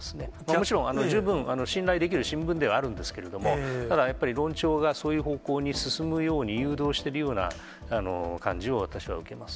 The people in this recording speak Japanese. もちろん、十分信頼できる新聞ではあるんですけれども、ただやっぱり、論調がそういう方向に進むように、誘導しているような感じを私は受けます。